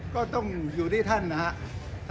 ก็ต้องอยู่ที่ท่านนะครับ